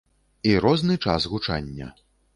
І розны час гучання.